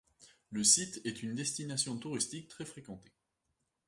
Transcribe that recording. Le site est une destination touristique très fréquentée.